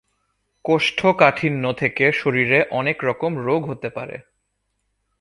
কোষ্ঠকাঠিন্য থেকে শরীরে অনেক রকম রোগ হতে পারে।